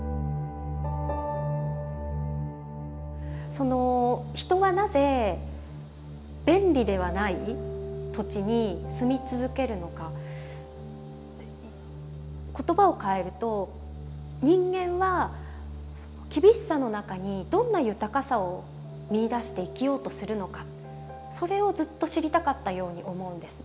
その人はなぜ便利ではない土地に住み続けるのか言葉をかえると人間は厳しさの中にどんな豊かさを見いだして生きようとするのかそれをずっと知りたかったように思うんです。